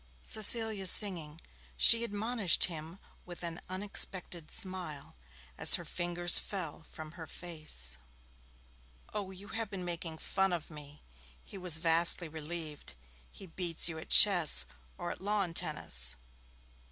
Cecilia's singing!' she admonished him with an unexpected smile, as her fingers fell from her face. 'Oh, you have been making fun of me.' He was vastly relieved. 'He beats you at chess or at lawn tennis?'